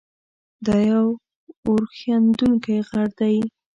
دا یو اورښیندونکی غر دی.